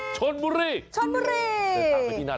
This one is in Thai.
จังหวาด